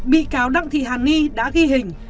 bị cáo đặng thị hàn ni đã ghi hình